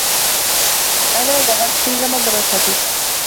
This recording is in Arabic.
أنا ذهبت إلى مدرستك.